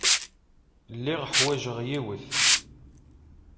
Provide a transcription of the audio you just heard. Lliɣ ḥwajeɣ yiwet.